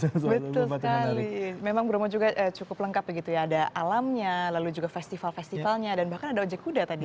betul sekali memang bromo juga cukup lengkap begitu ya ada alamnya lalu juga festival festivalnya dan bahkan ada ojek kuda tadi